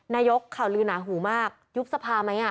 นายกข่าวลือหนาหูมากยุบสภาไหม